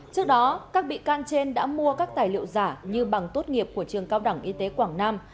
trước đó các bị can trên đã mua các tài liệu giả như bằng tốt nghiệp của trường cao đẳng y tế quảng nam